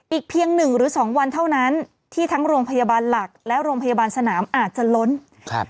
เพียงหนึ่งหรือสองวันเท่านั้นที่ทั้งโรงพยาบาลหลักและโรงพยาบาลสนามอาจจะล้นครับ